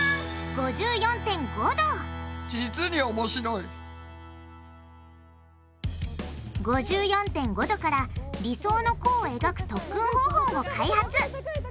５４．５度から理想の弧を描く特訓方法も開発！